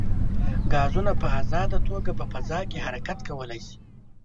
ګازونه په ازاده توګه په فضا کې حرکت کولی شي.